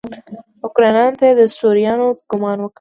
اوکرانیانو ته یې د سوريانو ګمان وکړ.